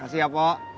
kasih ya pok